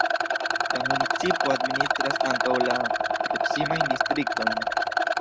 La municipo administras ankaŭ la proksimajn distriktojn.